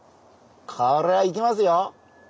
これはいきますよ！